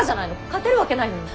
勝てるわけないのに。